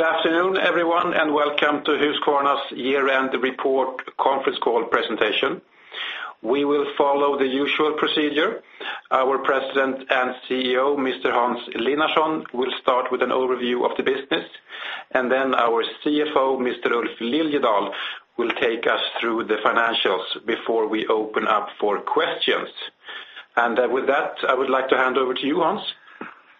Good afternoon, everyone, and welcome to Husqvarna's Year-End Report Conference Call Presentation. We will follow the usual procedure. Our President and CEO, Mr. Hans Linnarson, will start with an overview of the business, and then our CFO, Mr. Ulf Liljedahl, will take us through the financials before we open up for questions. With that, I would like to hand over to you, Hans.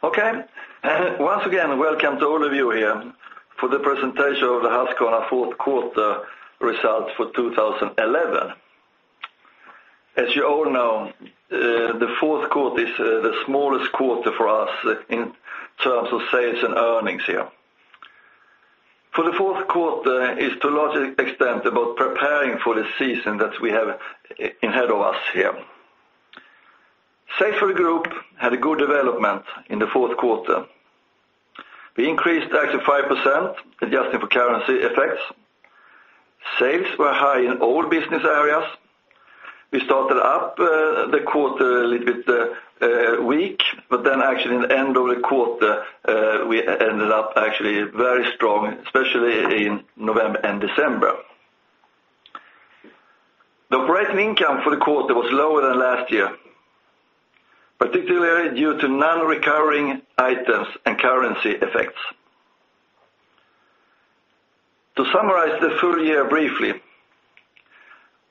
Okay. And once again, welcome to all of you here for the presentation of the Husqvarna Fourth Quarter Results for 2011. As you all know, the fourth quarter is the smallest quarter for us in terms of sales and earnings here. For the fourth quarter, it is to a large extent about preparing for the season that we have ahead of us here. Sales for the group had a good development in the fourth quarter. We increased actually 5%, adjusting for currency effects. Sales were high in all business areas. We started up the quarter a little bit weak, but then actually in the end of the quarter, we ended up actually very strong, especially in November and December. The operating income for the quarter was lower than last year, particularly due to non-recurring items and currency effects. To summarize the full year briefly,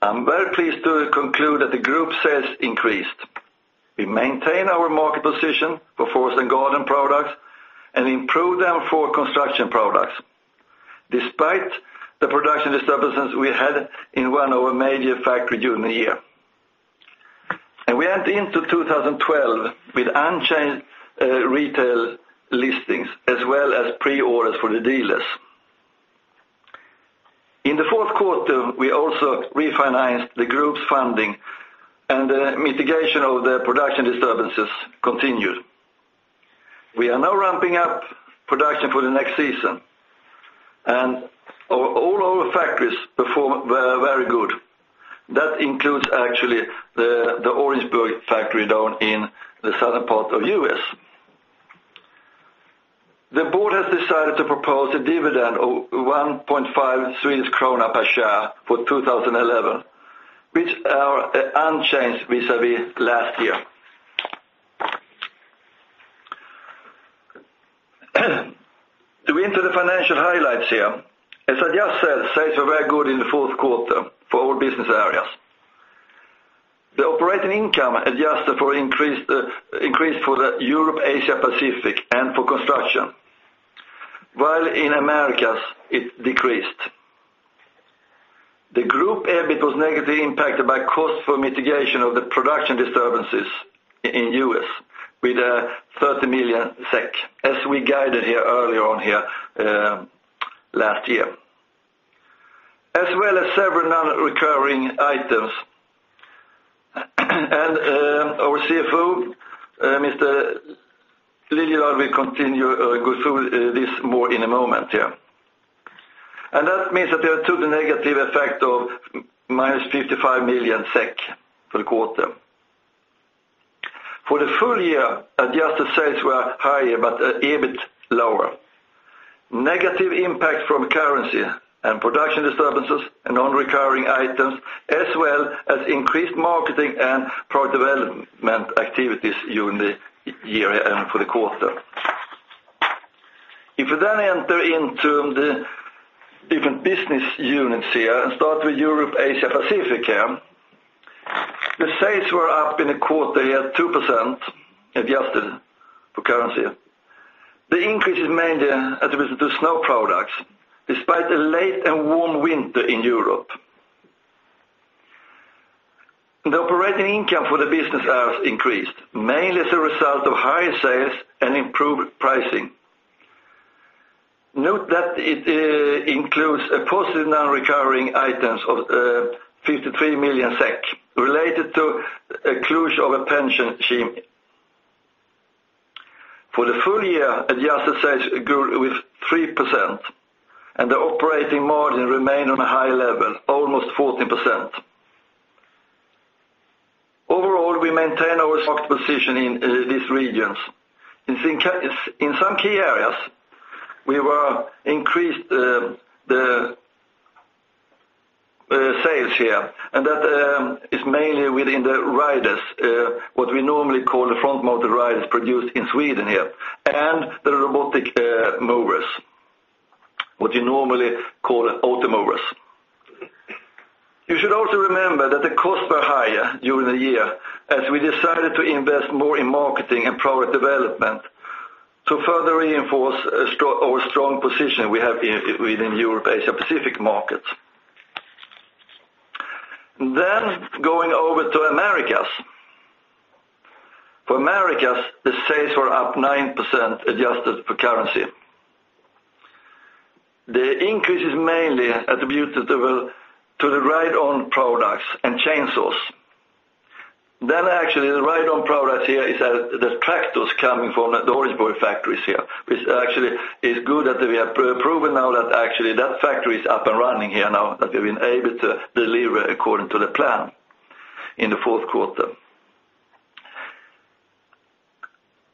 I'm very pleased to conclude that the group sales increased. We maintain our market position for forest and garden products, and we improved them for construction products, despite the production disturbances we had in one of our major factories during the year. We entered into 2012 with unchanged retail listings as well as pre-orders for the dealers. In the fourth quarter, we also refinanced the group's funding, and the mitigation of the production disturbances continued. We are now ramping up production for the next season. All our factories performed very good. That includes actually the Orangeburg factory down in the southern part of the U.S. The board has decided to propose a dividend of 1.5 Swedish krona per share for 2011, which are unchanged vis-à-vis last year. To enter the financial highlights here, as I just said, sales were very good in the fourth quarter for all business areas. The operating income adjusted for increased for the Europe, Asia, Pacific, and for construction, while in Americas it decreased. The group EBIT was negatively impacted by cost for mitigation of the production disturbances in the U.S., with a 30 million SEK, as we guided here earlier on here last year, as well as several non-recurring items. Our CFO, Mr. Liljedahl, will continue going through this more in a moment here. That means that we are to the negative effect of minus 55 million SEK for the quarter. For the full year, adjusted sales were higher, but EBIT lower. Negative impact from currency and production disturbances and non-recurring items, as well as increased marketing and product development activities during the year and for the quarter. If we then enter into the different business units here, and start with Europe, Asia Pacific here, the sales were up in the quarter here 2% adjusted for currency. The increase is mainly attributed to snow products, despite a late and warm winter in Europe. The operating income for the business areas increased, mainly as a result of higher sales and improved pricing. Note that it includes a positive non-recurring item of 53 million SEK related to a closure of a pension scheme. For the full year, adjusted sales grew with 3%, and the operating margin remained on a high level, almost 14%. Overall, we maintain our market position in these regions. In some key areas, we increased the sales here, and that is mainly within the riders, what we normally call the front-motor riders produced in Sweden here, and the robotic mowers, what you normally call automowers. You should also remember that the costs were higher during the year, as we decided to invest more in marketing and product development to further reinforce our strong position we have within Europe, Asia Pacific markets. Going over to Americas. For Americas, the sales were up 9% adjusted for currency. The increase is mainly attributed to the ride-on products and chainsaws. The ride-on products here are the tractors coming from the Orangeburg factories here, which actually is good that we have proven now that actually that factory is up and running here now, that we've been able to deliver according to the plan in the fourth quarter.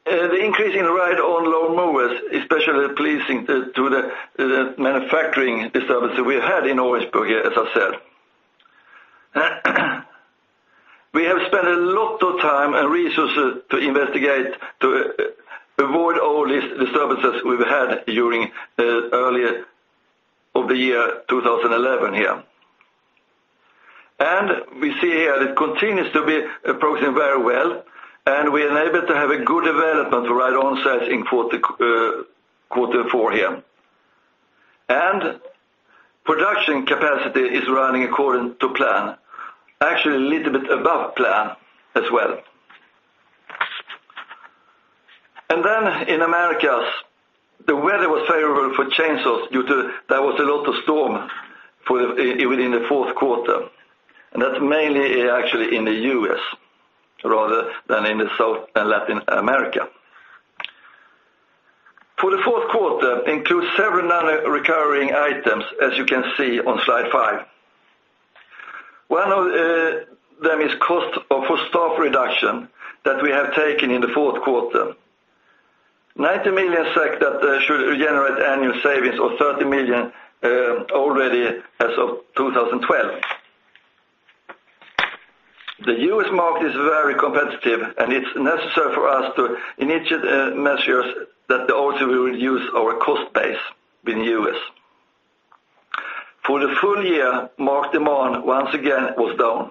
The increase in ride-on lawnmowers is especially pleasing due to the manufacturing disturbance that we had in Orangeburg here, as I said. We have spent a lot of time and resources to investigate to avoid all these disturbances we've had during the earlier part of the year 2011 here. We see here that it continues to be approaching very well, and we enable to have a good development for ride-on sales in quarter four here. Production capacity is running according to plan, actually a little bit above plan as well. In Americas, the weather was favorable for chainsaws due to a lot of storm within the fourth quarter. That's mainly actually in the U.S. rather than in the South and Latin America. For the fourth quarter, it includes several non-recurring items, as you can see on slide five. One of them is cost for staff reduction that we have taken in the fourth quarter, 90 million SEK that should generate annual savings of 30 million already as of 2012. The U.S. market is very competitive, and it's necessary for us to initiate measures that also will reduce our cost base within the U.S. For the full year, market demand once again was down.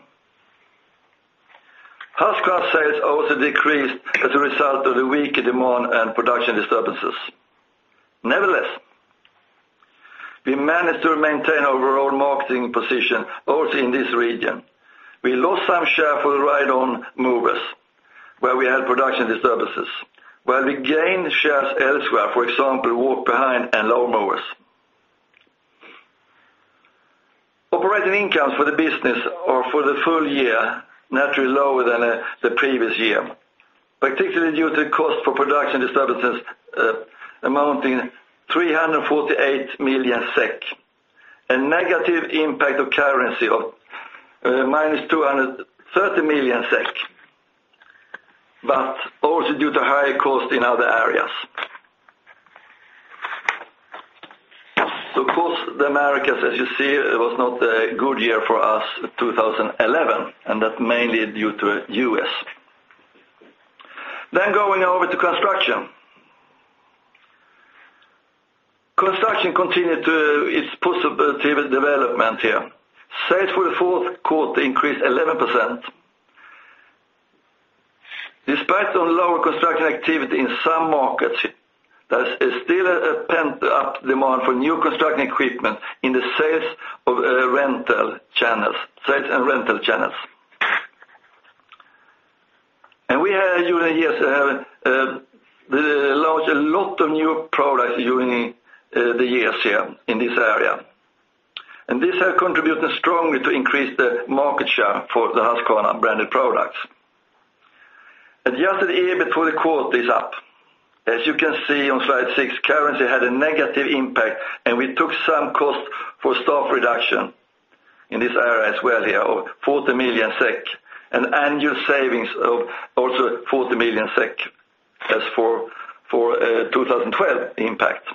Husqvarna sales also decreased as a result of the weaker demand and production disturbances. Nevertheless, we managed to maintain our overall marketing position also in this region. We lost some share for the ride-on products where we had production disturbances, while we gained shares elsewhere, for example, walk-behind and lawnmowers. Operating income for the business is for the full year naturally lower than the previous year, particularly due to the cost for production disturbances amounting to 348 million SEK and negative impact of currency of -230 million SEK, but also due to higher costs in other areas. Of course, the Americas, as you see, was not a good year for us in 2011, and that's mainly due to the U.S. Going over to construction. Construction continued its positive development here. Sales for the fourth quarter increased 11%. Despite some lower construction activity in some markets, there is still a pent-up demand for new construction equipment in the sales and rental channels. We had during the years launched a lot of new products during the years here in this area. These have contributed strongly to increase the market share for the Husqvarna branded products. Adjusted EBIT for the quarter is up. As you can see on slide six, currency had a negative impact, and we took some cost for staff reduction in this area as well here of 40 million SEK and annual savings of also 40 million SEK as for 2012 impact.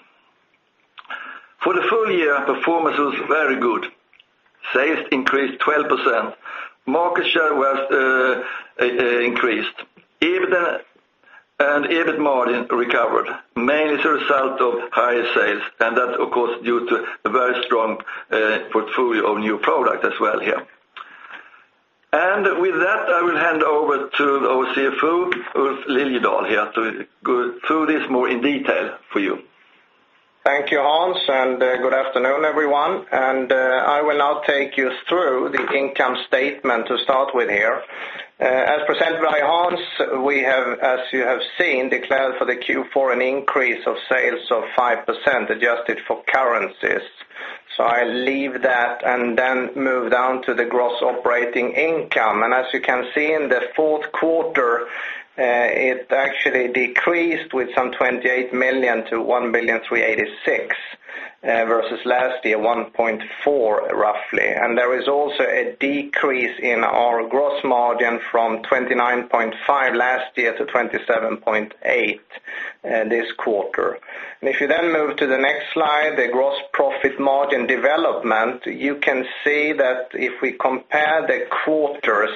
For the full year, performance was very good. Sales increased 12%. Market share was increased. EBIT and EBIT margin recovered, mainly as a result of higher sales, and that's, of course, due to a very strong portfolio of new products as well here. With that, I will hand over to our CFO, Ulf Liljedahl, here to go through this more in detail for you. Thank you, Hans, and good afternoon, everyone. I will now take you through the income statement to start with here. As presented by Hans, we have, as you have seen, declared for the Q4 an increase of sales of 5% adjusted for currencies. I'll leave that and then move down to the gross operating income. As you can see in the fourth quarter, it actually decreased by some 28 million to 1,386 million, versus last year 1.4 billion, roughly. There is also a decrease in our gross margin from 29.5% last year to 27.8% this quarter. If you then move to the next slide, the gross profit margin development, you can see that if we compare the quarters,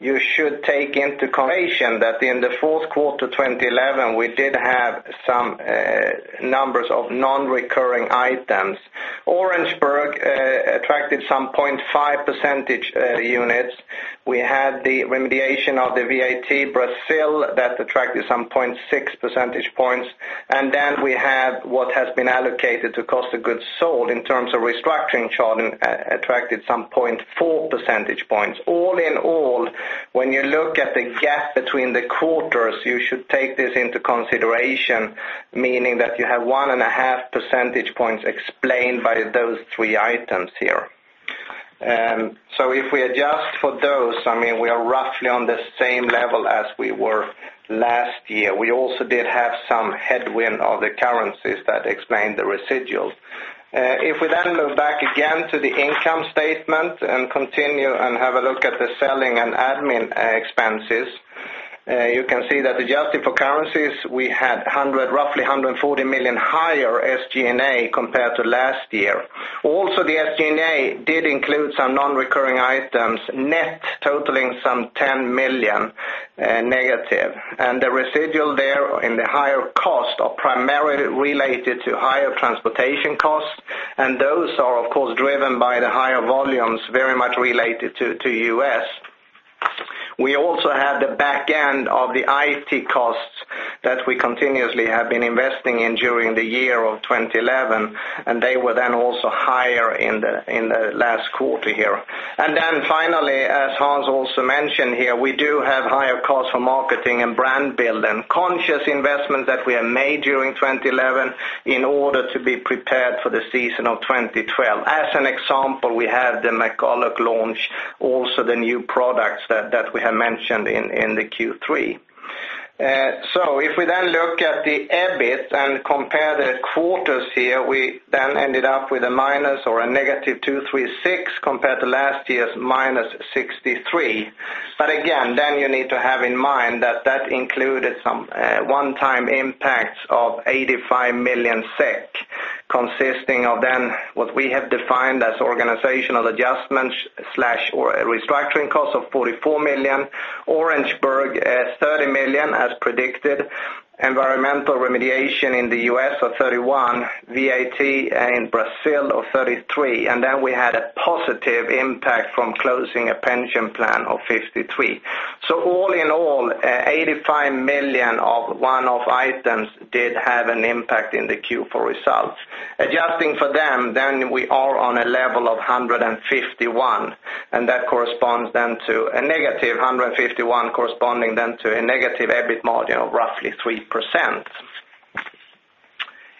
you should take into consideration that in the fourth quarter 2011, we did have some numbers of non-recurring items. Orangeburg attracted some 0.5 percentage points. We had the remediation of the VAT Brazil that attracted some 0.6 percentage points. What has been allocated to cost of goods sold in terms of restructuring Charlton attracted some 0.4 percentage points. All in all, when you look at the gap between the quarters, you should take this into consideration, meaning that you have 1.5 percentage points explained by those three items here. If we adjust for those, I mean, we are roughly on the same level as we were last year. We also did have some headwind of the currencies that explained the residual. If we then look back again to the income statement and continue and have a look at the selling and admin expenses, you can see that adjusting for currencies, we had roughly 140 million higher SG&A compared to last year. Also, the SG&A did include some non-recurring items net totaling some -10 million. The residual there in the higher cost is primarily related to higher transportation costs, and those are, of course, driven by the higher volumes very much related to the U.S. We also had the back end of the IT costs that we continuously have been investing in during the year of 2011, and they were then also higher in the last quarter here. Finally, as Hans also mentioned here, we do have higher costs for marketing and brand building, conscious investments that we have made during 2011 in order to be prepared for the season of 2012. As an example, we have the McCulloch launch, also the new products that we have mentioned in the Q3. If we then look at the EBIT and compare the quarters here, we then ended up with a minus or a -236 million compared to last year's -63 million. Again, you need to have in mind that included some one-time impacts of 85 million SEK, consisting of what we have defined as organizational adjustments/restructuring costs of 44 million. Orangeburg is 30 million as predicted. Environmental remediation in the U.S. of 31 million, VAT in Brazil of 33 million. We had a positive impact from closing a pension plan of 53 million. All in all, 85 million of one-off items did have an impact in the Q4 results. Adjusting for them, we are on a level of 151 million, and that corresponds to a negative 151 million, corresponding to a negative EBIT margin of roughly 3%.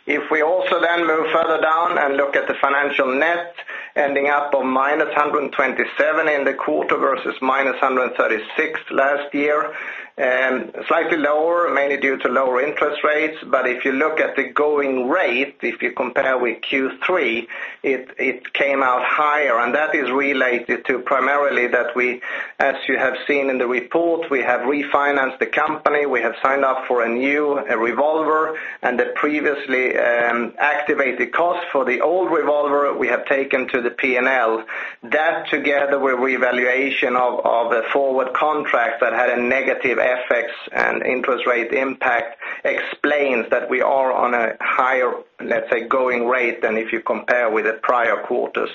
If we also move further down and look at the financial net, ending up on minus 127 million in the quarter versus minus 136 million last year, slightly lower, mainly due to lower interest rates. If you look at the going rate, if you compare with Q3, it came out higher, and that is related to primarily that we, as you have seen in the report, have refinanced the company, signed up for a new revolver, and the previously activated costs for the old revolver we have taken to the P&L. That together with reevaluation of a forward contract that had a negative FX and interest rate impact explains that we are on a higher, let's say, going rate than if you compare with the prior quarters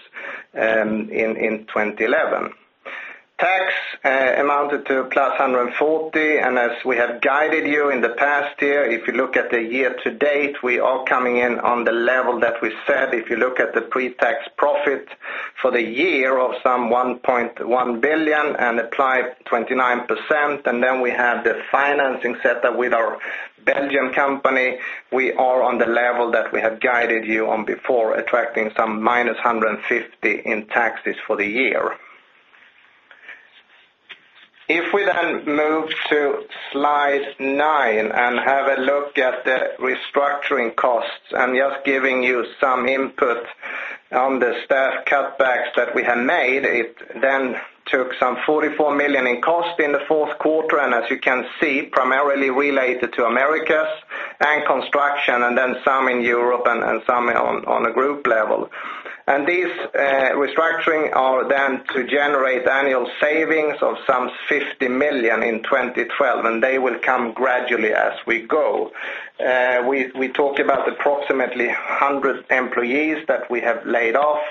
in 2011. Tax amounted to +140 million, and as we have guided you in the past year, if you look at the year-to-date, we are coming in on the level that we said. If you look at the pre-tax profit for the year of some 1.1 billion and apply 29%, and then we have the financing setup with our Belgian company, we are on the level that we have guided you on before, attracting some minus 150 million in taxes for the year. If we then move to slide nine and have a look at the restructuring costs and just giving you some input on the staff cutbacks that we have made, it then took some 44 million in cost in the fourth quarter, and as you can see, primarily related to Americas and construction, and then some in Europe and some on a group level. These restructuring are then to generate annual savings of some 50 million in 2012, and they will come gradually as we go. We talked about approximately 100 employees that we have laid off,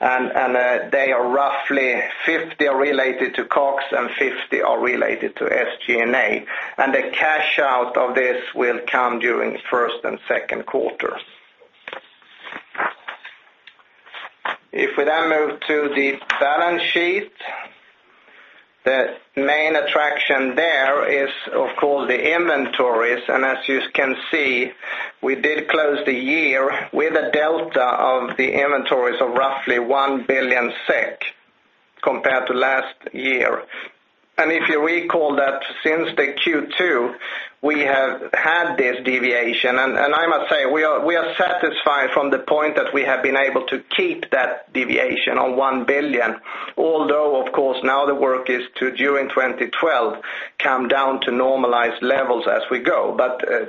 and they are roughly 50 are related to COGS and 50 are related to SG&A. The cash out of this will come during the first and second quarter. If we then move to the balance sheet, the main attraction there is, of course, the inventories. As you can see, we did close the year with a delta of the inventories of roughly 1 billion SEK compared to last year. If you recall that since Q2, we have had this deviation, and I must say we are satisfied from the point that we have been able to keep that deviation on 1 billion, although, of course, now the work is to, during 2012, come down to normalized levels as we go.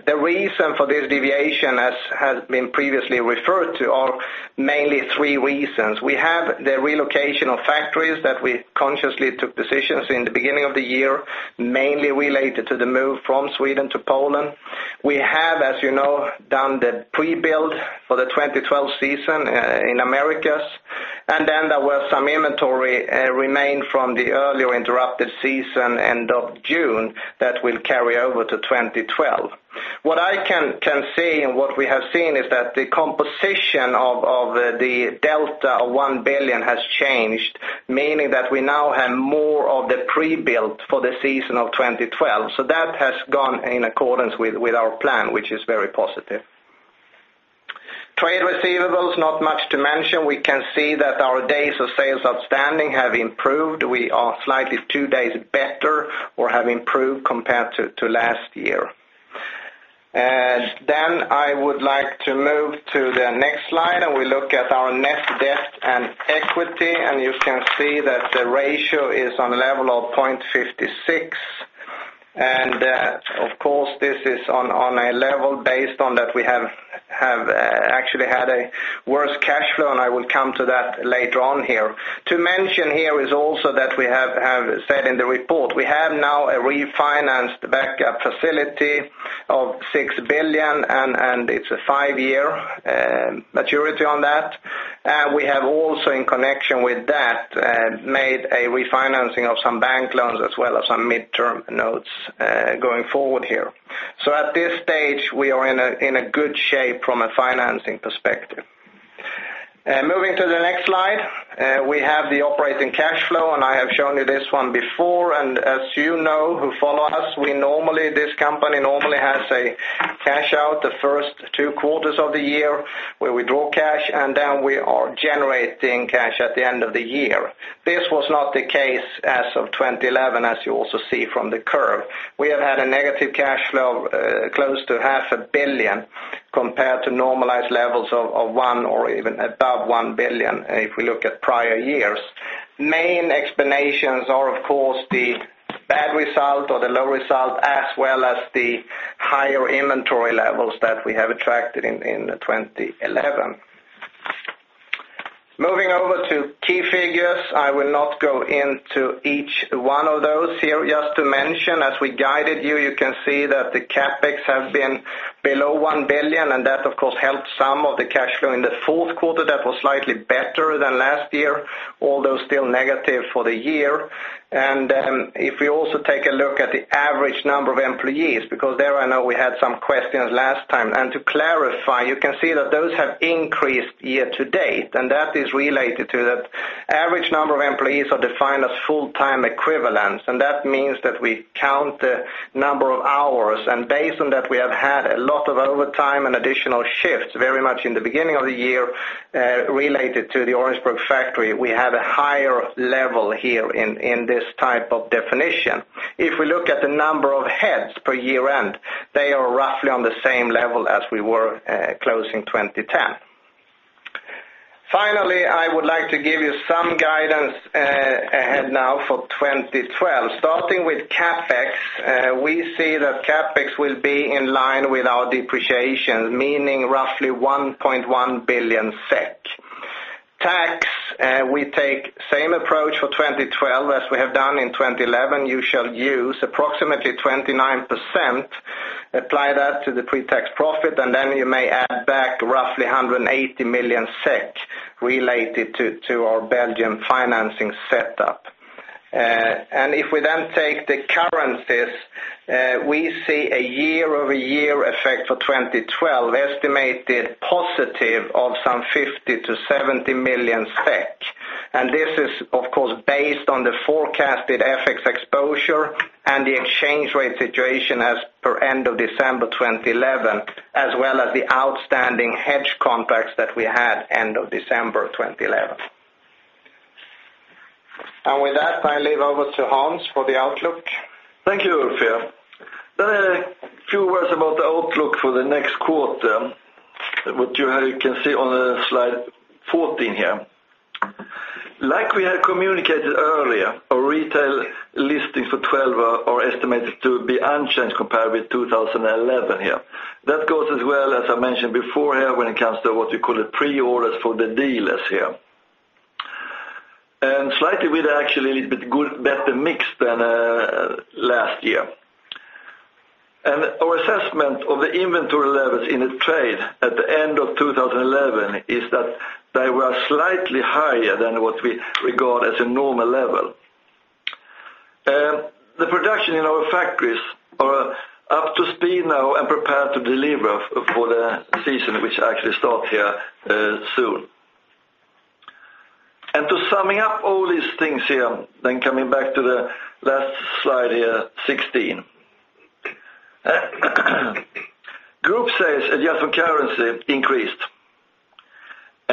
The reason for this deviation, as has been previously referred to, are mainly three reasons. We have the relocation of factories that we consciously took positions in at the beginning of the year, mainly related to the move from Sweden to Poland. As you know, we have done the pre-build for the 2012 season in Americas. There was some inventory remaining from the earlier interrupted season end of June that will carry over to 2012. What I can say and what we have seen is that the composition of the delta of 1 billion has changed, meaning that we now have more of the pre-build for the season of 2012. That has gone in accordance with our plan, which is very positive. Trade receivables, not much to mention. We can see that our days of sales outstanding have improved. We are slightly two days better or have improved compared to last year. I would like to move to the next slide, and we look at our net debt and equity. You can see that the ratio is on a level of 0.56. This is on a level based on that we have actually had a worse cash flow, and I will come to that later on here. To mention here is also that we have said in the report, we have now a refinanced backup facility of 6 billion, and it's a five-year maturity on that. We have also, in connection with that, made a refinancing of some bank loans as well as some midterm notes going forward here. At this stage, we are in good shape from a financing perspective. Moving to the next slide, we have the operating cash flow, and I have shown you this one before. As you know, who follow us, this company normally has a cash out the first two quarters of the year where we draw cash, and then we are generating cash at the end of the year. This was not the case as of 2011, as you also see from the curve. We have had a negative cash flow close to 0.5 billion compared to normalized levels of 1 billion or even above 1 billion if we look at prior years. Main explanations are, of course, the bad result or the low result, as well as the higher inventory levels that we have attracted in 2011. Moving over to key figures, I will not go into each one of those here, just to mention, as we guided you, you can see that the CapEx have been below 1 billion, and that, of course, helped some of the cash flow in the fourth quarter that was slightly better than last year, although still negative for the year. If we also take a look at the average number of employees, because there I know we had some questions last time. To clarify, you can see that those have increased year to date, and that is related to that average number of employees are defined as full-time equivalents. That means that we count the number of hours, and based on that, we have had a lot of overtime and additional shifts very much in the beginning of the year related to the Orangeburg factory. We have a higher level here in this type of definition. If we look at the number of heads per year-end, they are roughly on the same level as we were closing 2010. Finally, I would like to give you some guidance ahead now for 2012. Starting with CapEx, we see that CapEx will be in line with our depreciations, meaning roughly 1.1 billion SEK. Tax, we take the same approach for 2012 as we have done in 2011. You shall use approximately 29%, apply that to the pre-tax profit, and then you may add back roughly 180 million SEK related to our Belgian financing setup. If we then take the currencies, we see a year-over-year effect for 2012 estimated positive of some 50 million-70 million SEK. This is, of course, based on the forecasted FX exposure and the exchange rate situation as per end of December 2011, as well as the outstanding hedge contracts that we had end of December 2011. With that, I leave over to Hans for the outlook. Thank you, Ulf. A few words about the outlook for the next quarter, what you can see on slide 14 here. Like we had communicated earlier, our retail listings for 2012 are estimated to be unchanged compared with 2011 here. That goes as well, as I mentioned before here, when it comes to what we call the pre-orders for the dealers here. Slightly, we are actually a little bit better mixed than last year. Our assessment of the inventory levels in the trade at the end of 2011 is that they were slightly higher than what we regard as a normal level. The production in our factories is up to speed now and prepared to deliver for the season, which actually starts here soon. To sum up all these things here, coming back to the last slide here, 16. Group sales adjusted for currency increased.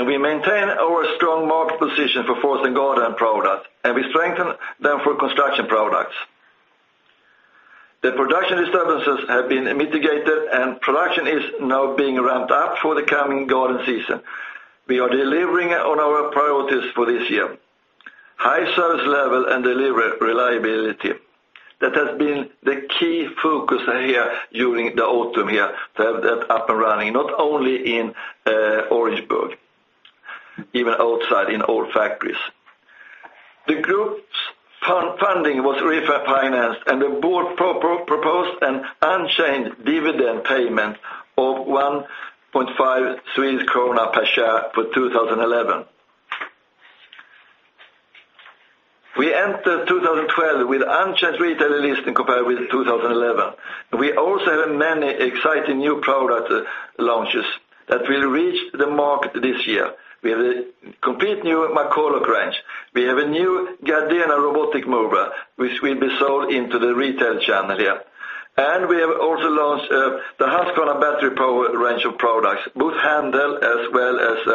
We maintain our strong market position for forest and garden products, and we strengthen them for construction products. The production disturbances have been mitigated, and production is now being ramped up for the coming garden season. We are delivering on our priorities for this year. High service level and delivery reliability has been the key focus here during the autumn here to have that up and running, not only in Orangeburg, even outside in all factories. The group's funding was refinanced, and the board proposed an unchanged dividend payment of 1.5 krona per share for 2011. We entered 2012 with unchanged retail listing compared with 2011. We also have many exciting new product launches that will reach the market this year. We have a complete new McCulloch range. We have a new Gardena robotic mower, which will be sold into the retail channel here. We have also launched the Husqvarna battery-powered range of products, both handheld as well as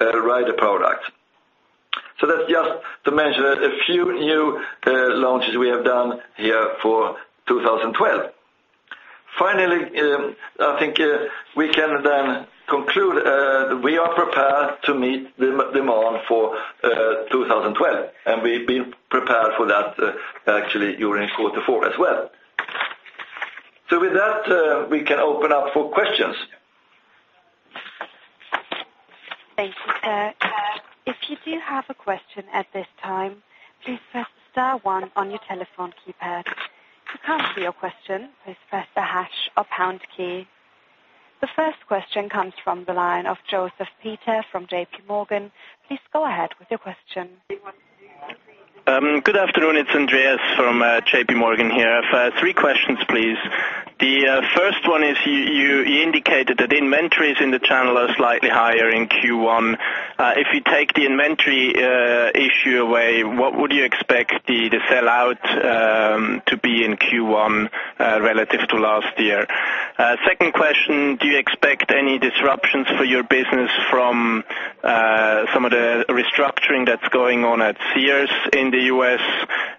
ride-on products. That's just to mention a few new launches we have done here for 2012. Finally, I think we can then conclude that we are prepared to meet the demand for 2012, and we've been prepared for that actually during quarter four as well. With that, we can open up for questions. Thank you, sir. If you do have a question at this time, please press star one on your telephone keypad. If you can't see your question, please press the hash or pound key. The first question comes from the line of Joseph Peter from JP Morgan. Please go ahead with your question. Good afternoon. It's Andreas from JP Morgan here. I have three questions, please. The first one is you indicated that inventories in the channel are slightly higher in Q1. If you take the inventory issue away, what would you expect the sell-out to be in Q1 relative to last year? Second question, do you expect any disruptions for your business from some of the restructuring that's going on at Sears in the U.S.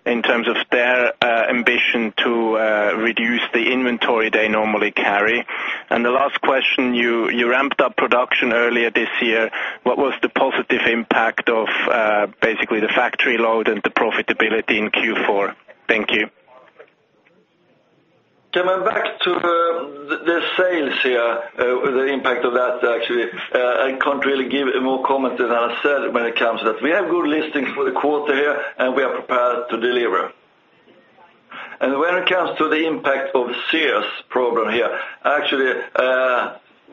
in terms of their ambition to reduce the inventory they normally carry? The last question, you ramped up production earlier this year. What was the positive impact of basically the factory load and the profitability in Q4? Thank you. I'm back to the sales here with the impact of that actually. I can't really give it more comment than I said when it comes to that. We have good listings for the quarter here, and we are prepared to deliver. When it comes to the impact of Sears' problem here, actually,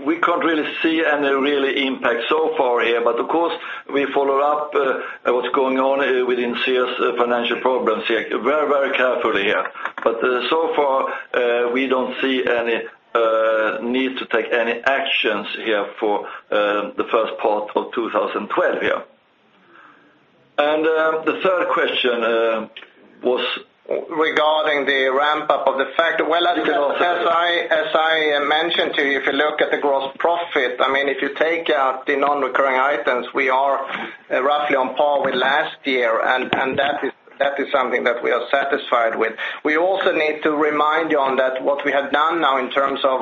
we can't really see any real impact so far here. Of course, we follow up what's going on within Sears' financial problems here very, very carefully here. So far, we don't see any need to take any actions here for the first part of 2012 here. The third question was regarding the ramp-up of the factory. As I mentioned to you, if you look at the gross profit, I mean, if you take out the non-recurring items, we are roughly on par with last year, and that is something that we are satisfied with. We also need to remind you that what we have done now in terms of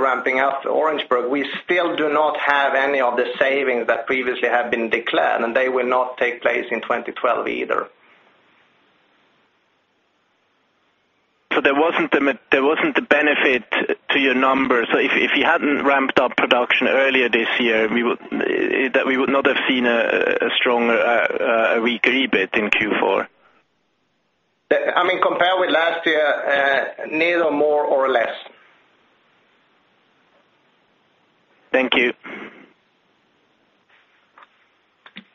ramping up Orangeburg, we still do not have any of the savings that previously have been declared, and they will not take place in 2012 either. There wasn't a benefit to your numbers. If you hadn't ramped up production earlier this year, we would not have seen a stronger weekly EBIT in Q4? I mean, compared with last year, neither more nor less. Thank you.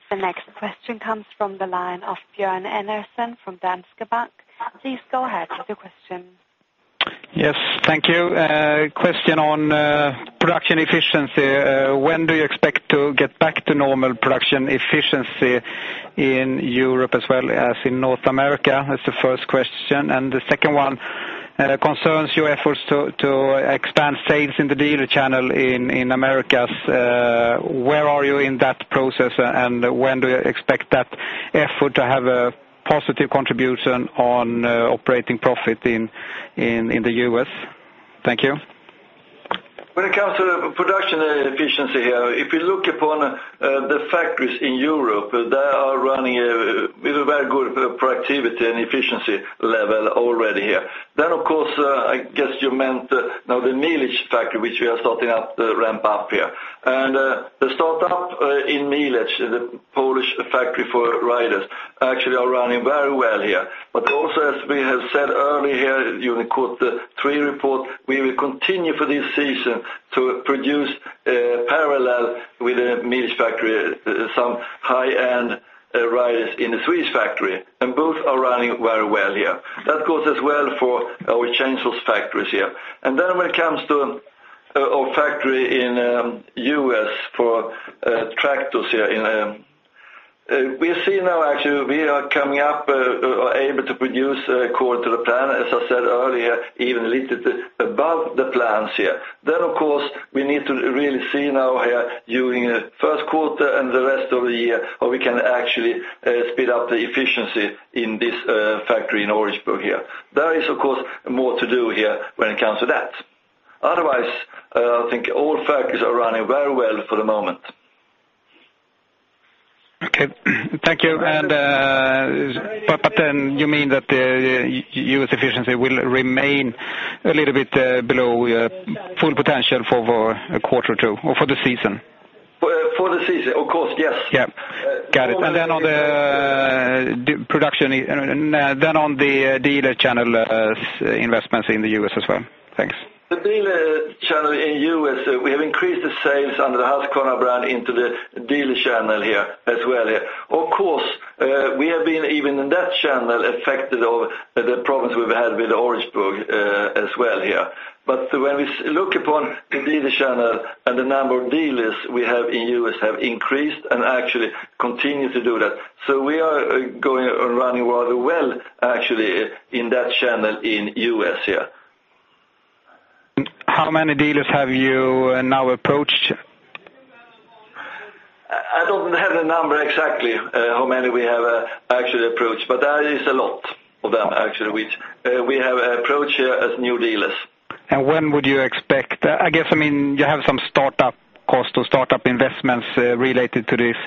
The next question comes from the line of Björn Enarson from Danske Bank. Please go ahead with your question. Yes, thank you. Question on production efficiency. When do you expect to get back to normal production efficiency in Europe as well as in North America? That's the first question. The second one concerns your efforts to expand sales in the dealer channel in Americas. Where are you in that process, and when do you expect that effort to have a positive contribution on operating profit in the U.S.? Thank you. When it comes to production efficiency here, if you look upon the factories in Europe, they are running with a very good productivity and efficiency level already here. Of course, I guess you meant now the Miele factory, which we are starting up to ramp up here. The startup in Miele, the Polish factory for riders, actually is running very well here. As we have said earlier here during the quarter three report, we will continue for this season to produce parallel with the Miele factory some high-end riders in the Swedish factory, and both are running very well here. That goes as well for our chainsaw factories here. When it comes to our factory in the U.S. for tractors here, we see now actually we are coming up able to produce according to the plan, as I said earlier, even a little bit above the plans here. We need to really see now here during the first quarter and the rest of the year how we can actually speed up the efficiency in this factory in Orangeburg here. There is, of course, more to do here when it comes to that. Otherwise, I think all factories are running very well for the moment. Okay. Thank you. You mean that the U.S. efficiency will remain a little bit below full potential for a quarter or two or for the season? For the season, of course, yes. Got it. On the production, on the dealer channel investments in the U.S. as well. Thanks. The dealer channel in the U.S., we have increased the sales under the Husqvarna brand into the dealer channel here as well. Of course, we have been even in that channel affected by the problems we've had with Orangeburg as well here. When we look upon the dealer channel and the number of dealers we have in the U.S. have increased and actually continue to do that. We are going on running rather well actually in that channel in the U.S. here. How many dealers have you now approached? I don't have the number exactly how many we have actually approached, but that is a lot of them which we have approached here as new dealers. When would you expect, I guess, you have some startup cost or startup investments related to this.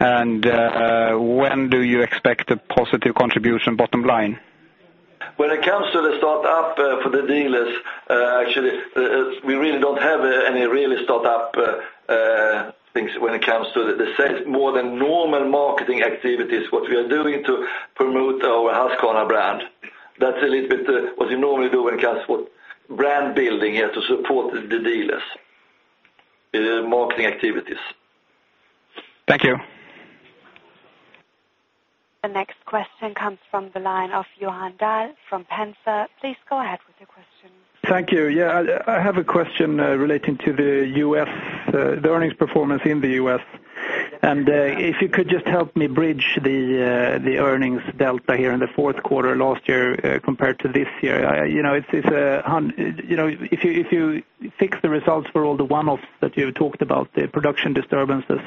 When do you expect a positive contribution bottom line? When it comes to the startup for the dealers, actually, we really don't have any really startup things when it comes to the sales more than normal marketing activities, what we are doing to promote our Husqvarna brand. That's a little bit what you normally do when it comes to brand building here to support the dealers in their marketing activities. Thank you. The next question comes from the line of Johan Dyle from Pensa. Please go ahead with your question. Thank you. I have a question relating to the U.S., the earnings performance in the U.S. If you could just help me bridge the earnings delta here in the fourth quarter last year compared to this year. If you fix the results for all the one-offs that you talked about, the production disturbances,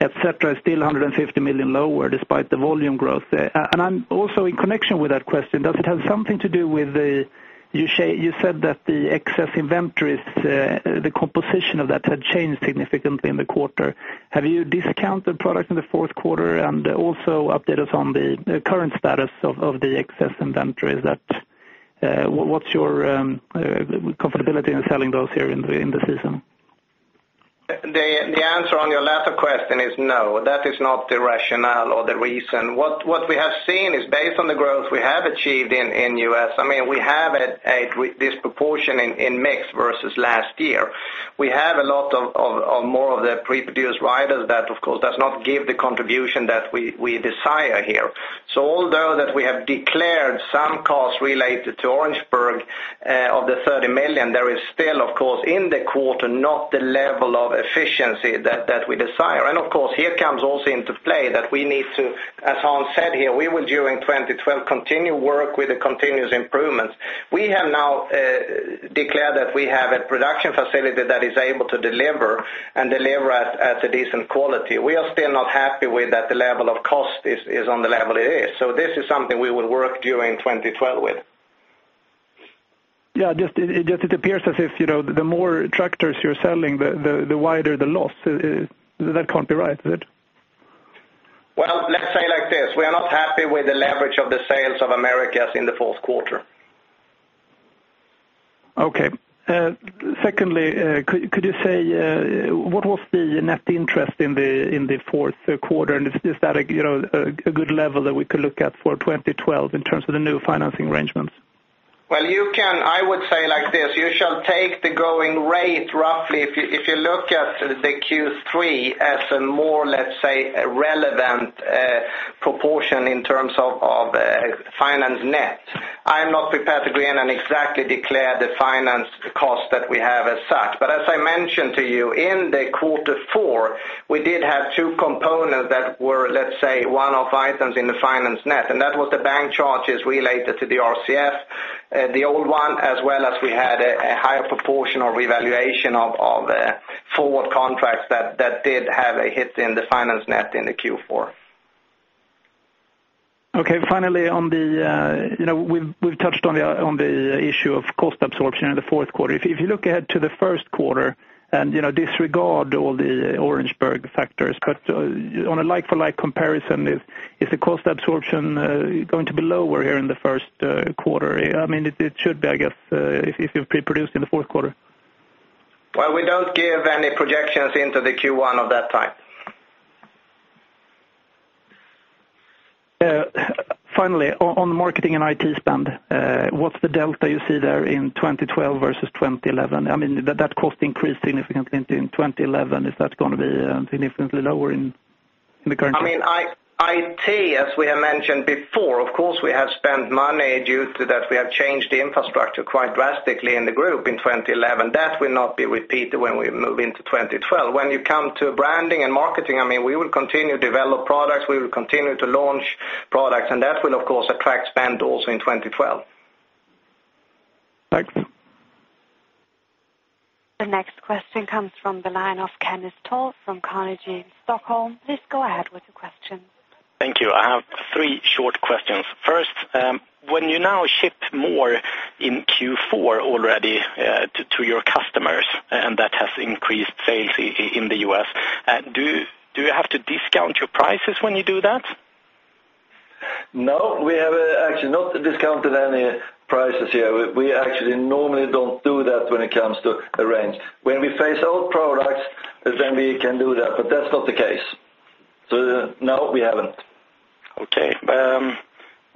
et cetera, still 150 million lower despite the volume growth. I am also in connection with that question. Does it have something to do with the, you said that the excess inventories, the composition of that had changed significantly in the quarter. Have you discounted products in the fourth quarter and also updated us on the current status of the excess inventories? What's your comfortability in selling those here in the season? The answer on your latter question is no. That is not the rationale or the reason. What we have seen is based on the growth we have achieved in the U.S. I mean, we have a disproportion in mix versus last year. We have a lot more of the pre-produced riders that, of course, does not give the contribution that we desire here. Although we have declared some costs related to Orangeburg of the 30 million, there is still, of course, in the quarter, not the level of efficiency that we desire. Here comes also into play that we need to, as Hans said here, we will during 2012 continue work with the continuous improvements. We have now declared that we have a production facility that is able to deliver and deliver at a decent quality. We are still not happy with that the level of cost is on the level it is. This is something we will work during 2012 with. Yeah, it just appears as if the more tractors you're selling, the wider the loss. That can't be right, is it? Let's say like this. We are not happy with the leverage of the sales of Americas in the fourth quarter. Okay. Secondly, could you say what was the net interest in the fourth quarter? Is that a good level that we could look at for 2012 in terms of the new financing arrangements? You can, I would say like this. You shall take the going rate roughly if you look at the Q3 as a more, let's say, relevant proportion in terms of finance net. I'm not prepared to go in and exactly declare the finance cost that we have as such. As I mentioned to you, in the Q4, we did have two components that were, let's say, one-off items in the finance net. That was the bank charges related to the RCF, the old one, as well as we had a higher proportion or reevaluation of forward contracts that did have a hit in the finance net in the Q4. Okay. Finally, we've touched on the issue of cost absorption in the fourth quarter. If you look ahead to the first quarter and disregard all the Orangeburg factors, but on a like-for-like comparison, is the cost absorption going to be lower here in the first quarter? I mean, it should be, I guess, if you've pre-produced in the fourth quarter. We don't give any projections into the Q1 of that type. Finally, on the marketing and IT spend, what's the delta you see there in 2012 versus 2011? I mean, that cost increased significantly in 2011. Is that going to be significantly lower in the current year? I mean, IT, as we have mentioned before, of course, we have spent money due to that we have changed the infrastructure quite drastically in the group in 2011. That will not be repeated when we move into 2012. When you come to branding and marketing, I mean, we will continue to develop products. We will continue to launch products. That will, of course, attract spend also in 2012. Thanks. The next question comes from the line of Kenneth Tall from Carnegie in Stockholm. Please go ahead with your question. Thank you. I have three short questions. First, when you now ship more in Q4 already to your customers, and that has increased sales in the U.S., do you have to discount your prices when you do that? No, we have actually not discounted any prices here. We actually normally don't do that when it comes to a range. When we phase out products, then we can do that. That's not the case. No, we haven't. Okay.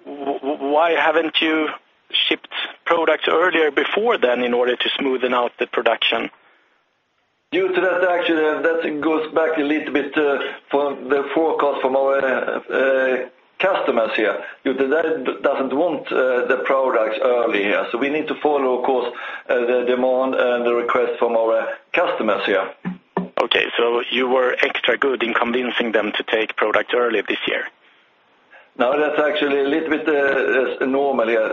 Why haven't you shipped products earlier before then in order to smoothen out the production? Due to that, actually, that goes back a little bit to the forecast from our customers here. Due to that, it doesn't want the products early here. We need to follow, of course, the demand and the request from our customers here. Okay. You were extra good in convincing them to take products early this year? No, that's actually a little bit normal here.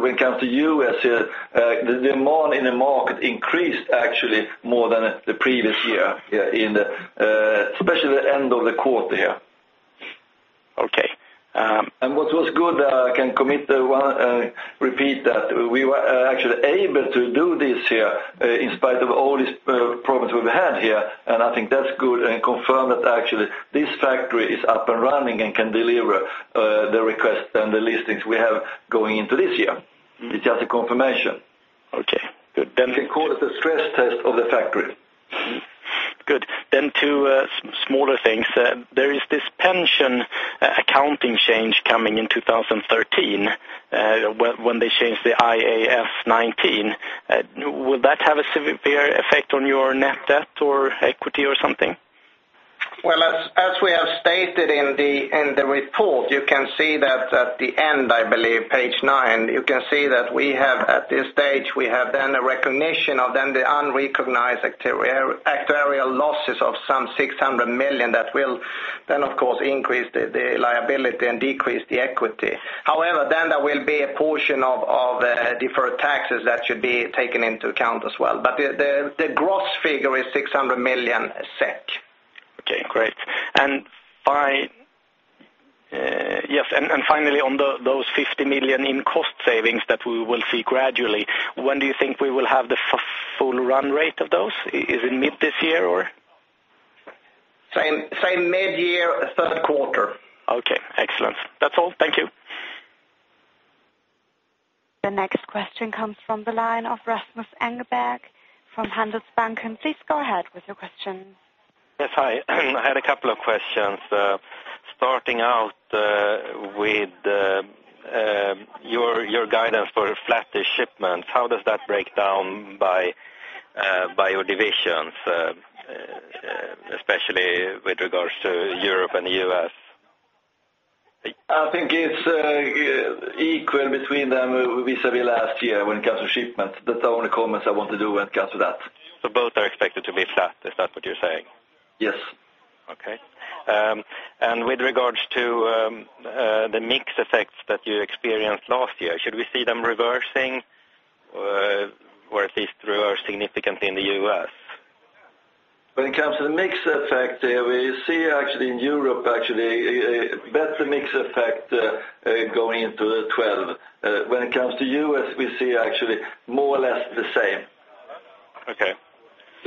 When it comes to the US here, the demand in the market increased actually more than the previous year, especially the end of the quarter here. Okay. What was good, I can commit to repeat that. We were actually able to do this here in spite of all these problems we've had here. I think that's good and confirm that actually this factory is up and running and can deliver the requests and the listings we have going into this year. It's just a confirmation. Okay. Good. We can call it the stress test of the factory. Good. Two smaller things. There is this pension accounting change coming in 2013 when they change the IAS 19. Will that have a severe effect on your net debt or equity or something? As we have stated in the report, you can see that at the end, I believe, page nine, you can see that we have at this stage, we have then a recognition of then the unrecognized actuarial losses of some 600 million that will then, of course, increase the liability and decrease the equity. However, there will be a portion of deferred taxes that should be taken into account as well. The gross figure is 600 million SEK. Okay, great. Finally, on those 50 million in cost savings that we will see gradually, when do you think we will have the full run rate of those? Is it mid this year or? Say mid-year, third quarter. Okay, excellent. That's all. Thank you. The next question comes from the line of Rasmus Engeberg from Handelsbanken. Go ahead with your question. Yes, hi. I had a couple of questions. Starting out with your guidance for flatter shipments, how does that break down by your divisions, especially with regards to Europe and the U.S.? I think it's equal between them vis-à-vis last year when it comes to shipments. That's the only comment I want to do when it comes to that. Are both expected to be flat, is that what you're saying? Yes. Okay. With regards to the mix effects that you experienced last year, should we see them reversing or at least reverse significantly in the U.S.? When it comes to the mix effect, we see actually in Europe a better mix effect going into 2012. When it comes to the U.S., we see actually more or less the same. Okay.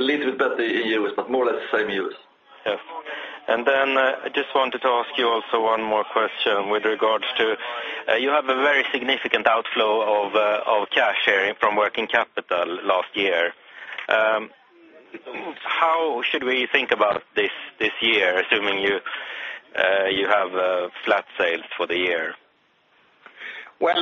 A little bit better in the U.S., but more or less the same in the U.S. I just wanted to ask you also one more question with regards to you have a very significant outflow of cash sharing from working capital last year. How should we think about this this year, assuming you have flat sales for the year? As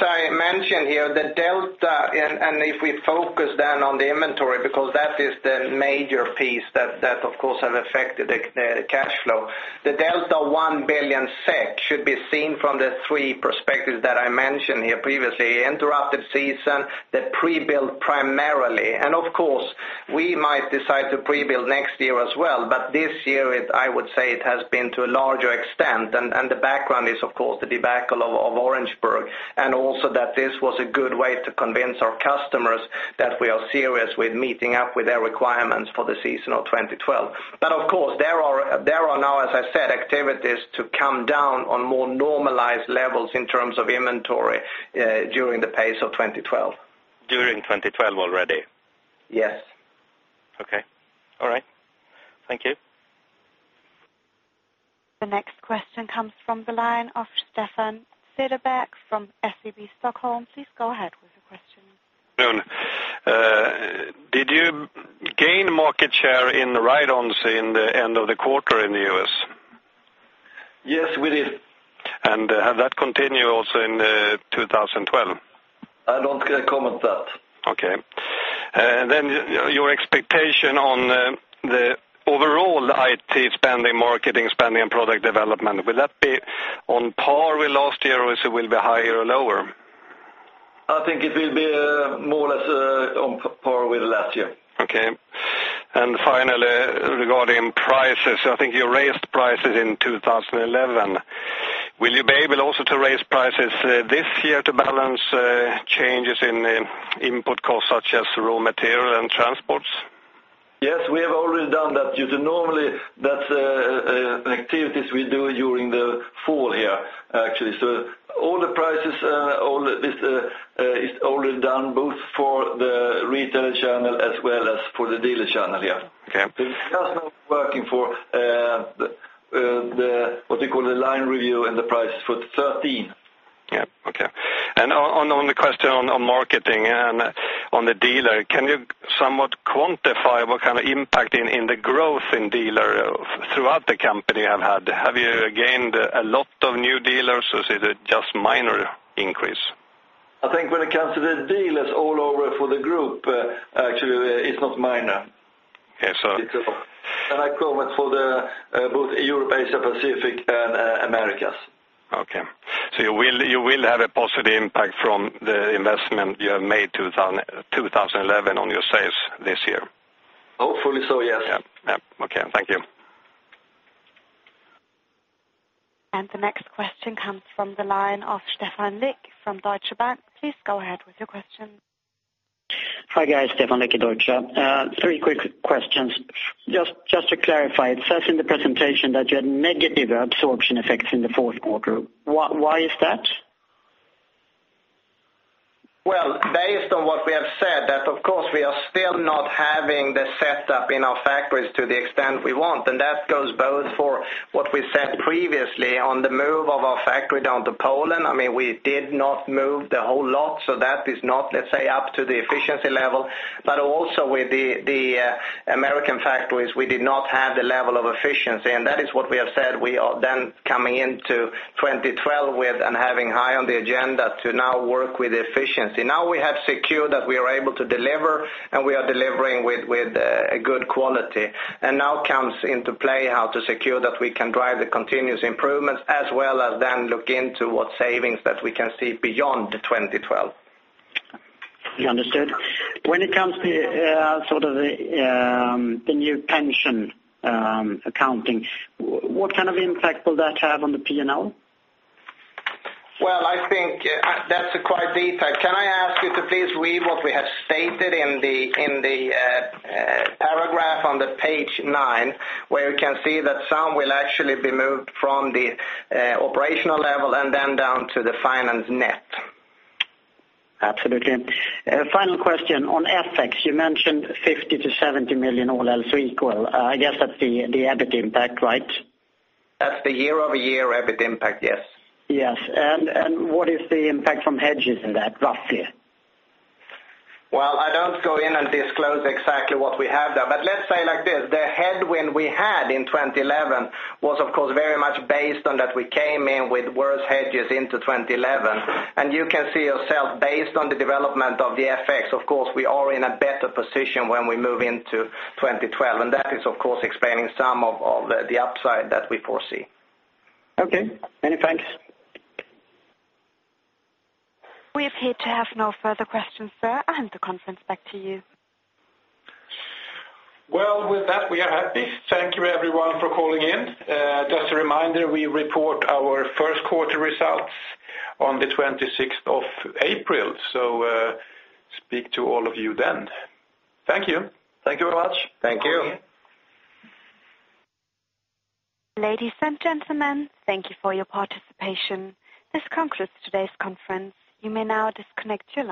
I mentioned here, the delta, and if we focus then on the inventory, because that is the major piece that, of course, has affected the cash flow, the delta 1 billion SEK should be seen from the three perspectives that I mentioned here previously: the interrupted season, the pre-build primarily, and of course, we might decide to pre-build next year as well. This year, I would say it has been to a larger extent. The background is, of course, the debacle of Orangeburg and also that this was a good way to convince our customers that we are serious with meeting up with their requirements for the season of 2012. There are now, as I said, activities to come down on more normalized levels in terms of inventory during the pace of 2012. During 2012 already? Yes. Okay, all right. Thank you. The next question comes from the line of Stefan Cederberg from SEB Stockholm. Please go ahead with your question. Did you gain market share in the ride-ons in the end of the quarter in the U.S.? Yes, we did. Has that continued also in 2012? I don't comment on that. Okay. Your expectation on the overall IT spending, marketing spending, and product development, will that be on par with last year or will it be higher or lower? I think it will be more or less on par with last year. Okay. Finally, regarding prices, I think you raised prices in 2011. Will you be able also to raise prices this year to balance changes in input costs such as raw material and transports? Yes, we have already done that. Normally, that's the activities we do during the fall here, actually. All the prices, all this is already done both for the retail channel as well as for the dealer channel here. Okay. It's just not working for what we call the line review and the price for 2013. Okay. On the question on marketing and on the dealer, can you somewhat quantify what kind of impact in the growth in dealer throughout the company have had? Have you gained a lot of new dealers or is it just a minor increase? I think when it comes to the dealers all over for the group, actually, it's not minor. Okay, so. I comment for both the Europe, Asia, Pacific, and Americas. Okay. You will have a positive impact from the investment you have made in 2011 on your sales this year? Hopefully so, yes. Yeah, okay. Thank you. The next question comes from the line of Stefan Lucht from Deutsche Bank. Please go ahead with your question. Hi guys, Stefan Lick at Deutsche. Three quick questions. Just to clarify, it says in the presentation that you had negative absorption effects in the fourth quarter. Why is that? Based on what we have said, we are still not having the setup in our factories to the extent we want. That goes both for what we said previously on the move of our factory down to Poland. I mean, we did not move the whole lot, so that is not, let's say, up to the efficiency level. Also, with the American factories, we did not have the level of efficiency, and that is what we have said. We are then coming into 2012 with and having high on the agenda to now work with efficiency. Now we have secured that we are able to deliver, and we are delivering with a good quality. Now comes into play how to secure that we can drive the continuous improvements as well as then look into what savings that we can see beyond 2012. You understood. When it comes to sort of the new pension accounting, what kind of impact will that have on the P&L? I think that's quite detailed. Can I ask you to please read what we have stated in the paragraph on page nine where you can see that some will actually be moved from the operational level and then down to the finance net? Absolutely. Final question. On FX, you mentioned 50 million-70 million, all else equal. I guess that's the EBIT impact, right? That's the year-over-year EBIT impact, yes. What is the impact from hedges in that roughly? I don't go in and disclose exactly what we have there. Let's say like this, the headwind we had in 2011 was, of course, very much based on that we came in with worse hedges into 2011. You can see yourself based on the development of the FX. Of course, we are in a better position when we move into 2012, and that is, of course, explaining some of the upside that we foresee. Okay, any thanks. We have no further questions, sir. I hand the conference back to you. Thank you, everyone, for calling in. Just a reminder, we report our first quarter results on the 26th of April. Speak to all of you then. Thank you. Thank you very much. Thank you. Ladies and gentlemen, thank you for your participation. This concludes today's conference. You may now disconnect.